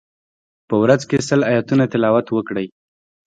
په ورځ کی سل آیتونه تلاوت وکړئ.